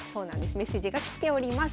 メッセージが来ております。